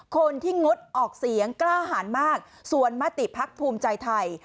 คนที่งดออกเสียงกล้าหารมากส่วนมาติภักดิ์ภักดิ์ภูมิใจไทย